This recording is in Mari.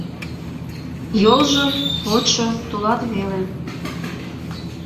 Йолжо, почшо тулат веле.